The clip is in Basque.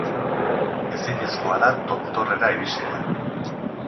Ezinezkoa da tontorrera iristea.